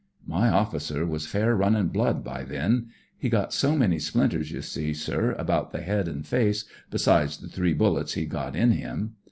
" My officer was fair runnin' blood by then. He got so many splinters, you see, sir, about the head an' face, besides the three bullets he'd got in him.